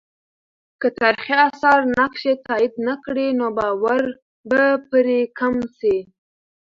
که تاریخي آثار نقش یې تایید نه کړي، نو باور به پرې کم سي.